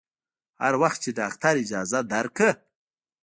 هر وخت چې ډاکتر اجازه درکړه.